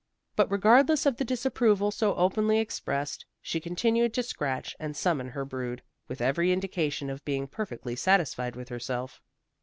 But regardless of the disapproval so openly expressed, she continued to scratch and summon her brood, with every indication of being perfectly satisfied with herself.